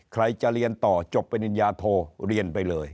ใครจะเรียนต่อจบปริญญาโทเรียนไปเลย